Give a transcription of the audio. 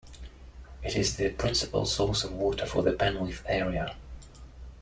It is the principal source of water for the Penwith area.